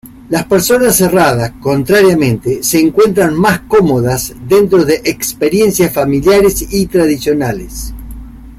Las personas cerradas, contrariamente, se encuentran más cómodas dentro de experiencias familiares y tradicionales.